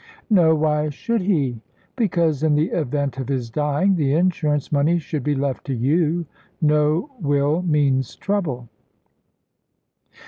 "No. Why should he?" "Because, in the event of his dying, the insurance money should be left to you. No will means trouble."